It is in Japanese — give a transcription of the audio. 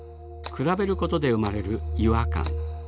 比べることで生まれる違和感。